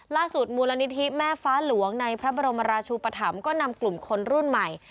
มูลนิธิแม่ฟ้าหลวงในพระบรมราชูปธรรมก็นำกลุ่มคนรุ่นใหม่